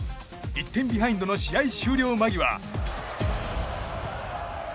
１点ビハインドの試合終了間際。